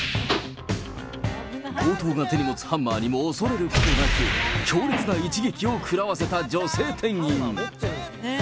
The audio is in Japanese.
強盗が手に持つハンマーにも恐れることなく、強烈な一撃を食らわせた女性店員。